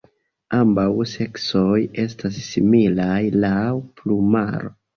Ambaŭ seksoj estas similaj laŭ plumaro.